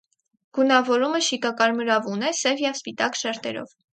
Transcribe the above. Գունավորումը շիկակարմրավուն է՝ սև և սպիտակ շերտերով։